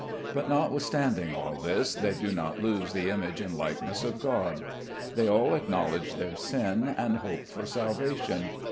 But notwithstanding all this they do not lose the image and likeness of God. They all acknowledge their sin and hope for salvation.